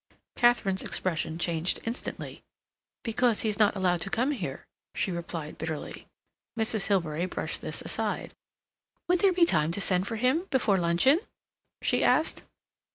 Katharine's expression changed instantly. "Because he's not allowed to come here," she replied bitterly. Mrs. Hilbery brushed this aside. "Would there be time to send for him before luncheon?" she asked.